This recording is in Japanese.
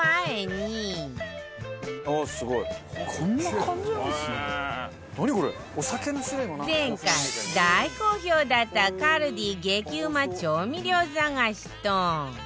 本当に前回大好評だった ＫＡＬＤＩ 激うま調味料探しと